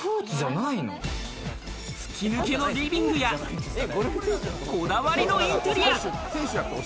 吹き抜けのリビングや、こだわりのインテリア。